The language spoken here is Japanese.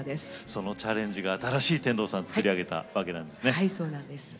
そのチャレンジが新しい天童よしみさんを作ったわけですね。